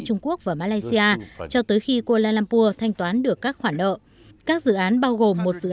trung quốc và malaysia cho tới khi kuala lumpur thanh toán được các khoản nợ các dự án bao gồm một dự